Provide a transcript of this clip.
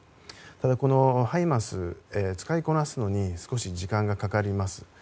ただ、ハイマース使いこなすのに少し時間がかかります。